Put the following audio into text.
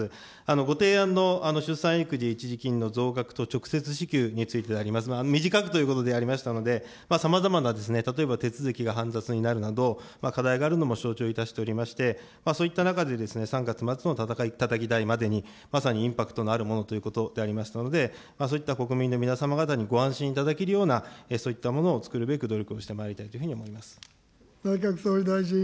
ご提案の出産育児一時金の増額と直接支給についてでありますが、短くということでありましたので、さまざまな、例えば手続きが煩雑になるなど、課題があるのも承知をいたしておりまして、そういった中で、３月末のたたき台までに、まさにインパクトのあるものということでありましたので、そういった国民の皆様方にご安心いただけるような、そういったものをつくるべく、努力をしてまいりたいというふうに思います。